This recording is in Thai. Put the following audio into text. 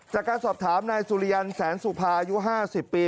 จากการสอบถามนายสุริยันแสนสุภาอายุ๕๐ปี